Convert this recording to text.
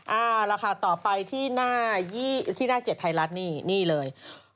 เอาล่ะค่ะต่อไปที่หน้า๗ไทยรัฐนี่เลย